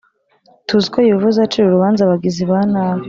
Tuzi ko Yehova azacira urubanza abagizi ba nabi